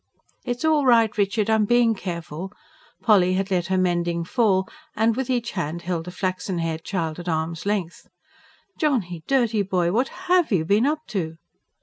"It's all right, Richard, I'm being careful." Polly had let her mending fall, and with each hand held a flaxen haired child at arm's length. "Johnny, dirty boy! what HAVE you been up to?"